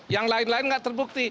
yang lain lain nggak terbukti